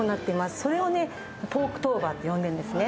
それをポークトーバーと呼んでるんですね。